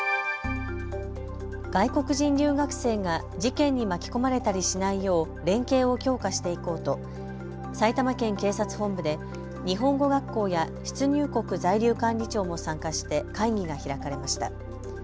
外国人留学生が事件に巻き込まれたりしないよう連携を強化していこうと、埼玉県警察本部で日本語学校や出入国在留管理庁も参加して会議が開かれました。